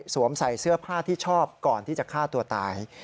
ใส่เสื้อผ้าที่ชอบก่อนที่จะฆ่าตัวตาย